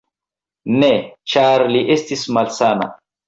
Ne, ĉar la estis malsana.